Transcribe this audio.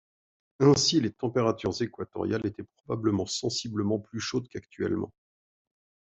Ainsi, les températures équatoriales étaient probablement sensiblement plus chaudes qu'actuellement.